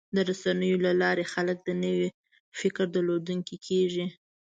د رسنیو له لارې خلک د نوي فکر درلودونکي کېږي.